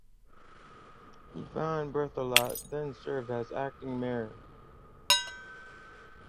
Yvan Berthelot then served as acting mayor.